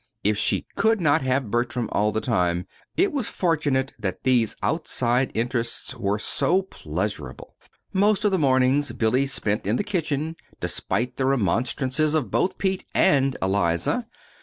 If she could not have Bertram all the time, it was fortunate that these outside interests were so pleasurable. Most of the mornings Billy spent in the kitchen, despite the remonstrances of both Pete and Eliza.